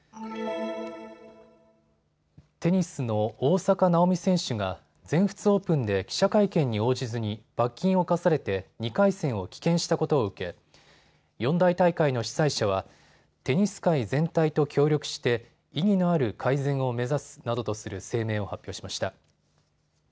テニスの大坂なおみ選手が全仏オープンで記者会見に応じずに罰金を課されて２回戦を棄権したことを受け四大大会の主催者はテニス界全体と協力して意義のある改善を目指すなどとする声明を発表しました。